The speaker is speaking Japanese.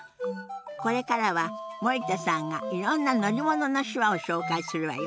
これからは森田さんがいろんな乗り物の手話を紹介するわよ。